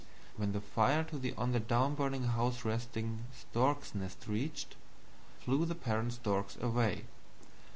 When the fire to the onthedownburninghouseresting Stork's Nest reached, flew the parent Storks away.